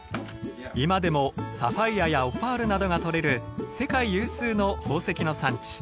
今でもサファイアやオパールなどが採れる世界有数の宝石の産地。